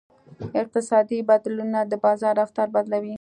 اقتصادي بدلونونه د بازار رفتار بدلوي.